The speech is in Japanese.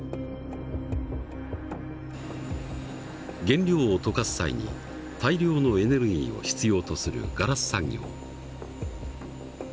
原料を溶かす際に大量のエネルギーを必要とするガラス産業。